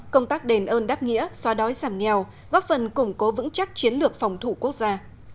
công tác đền ơn đáp nghĩa xóa đói giảm nghèo góp phần củng cố vững chắc chiến lược phòng thủ quốc gia